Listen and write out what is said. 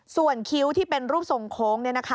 ส่วนคิ้วที่เป็นรูปทรงโค้ง